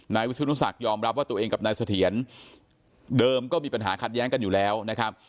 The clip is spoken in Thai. นายวิสุนุสักยอมรับว่าตัวเองกับนายเสถียรเดิมก็มีปัญหาขัดแย้งกันอยู่แล้วนะครับ